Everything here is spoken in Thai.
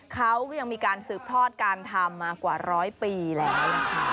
เขาก็ยังมีการสืบทอดการทำมากว่าร้อยปีแล้วนะคะ